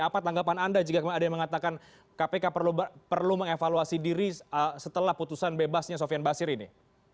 apa tanggapan anda jika ada yang mengatakan kpk perlu mengevaluasi diri setelah putusan bebasnya sofian basir ini